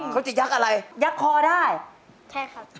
เขาจะยักษ์อะไรยักษคอได้ใช่ครับ